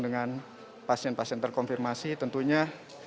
dengan pasien pasien terkonfirmasi tentunya